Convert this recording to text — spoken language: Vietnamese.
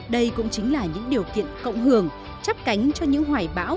đây cũng chính là những điều kiện cộng hưởng chấp cánh cho những hoài bão